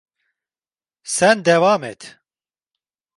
Sen devam et.